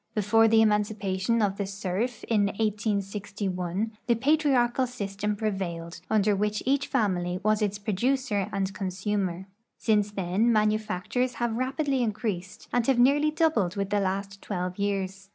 Before the emancipation of the serf, in 1861, the ])atriarchal system prevailed, under which each family was its ))roducerand consumer. Since then manufactures have rapidly increased and have nearly doubled the last twelve years.